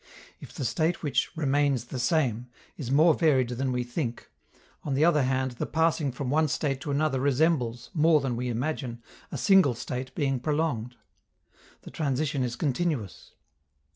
If the state which "remains the same" is more varied than we think, on the other hand the passing from one state to another resembles, more than we imagine, a single state being prolonged; the transition is continuous.